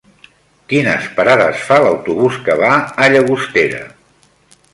Quines parades fa l'autobús que va a Llagostera?